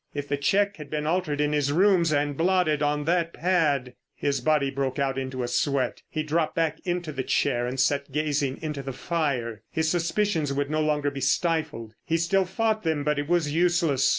If the cheque had been altered in his rooms and blotted on that pad—— His body broke out into a sweat. He dropped back into the chair and sat gazing into the fire. His suspicions would no longer be stifled. He still fought them, but it was useless.